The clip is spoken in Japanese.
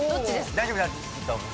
大丈夫だと思う。